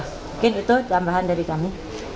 mungkin itu tambahan dari kami